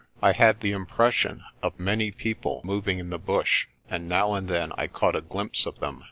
I had the impression of many people moving in the bush, and now and then I caught a glimpse of them.